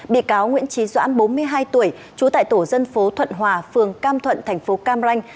bị cáo nguyễn trí doãn bốn mươi hai tuổi trú tại tổ dân phố thuận hòa phường cam thuận thành phố cam ranh